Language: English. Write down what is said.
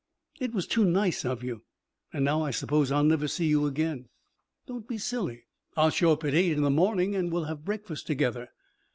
It was too nice of you. An' now I suppose I'll never see you again." "Don't be silly. I'll show up at eight in the morning and we'll have breakfast together."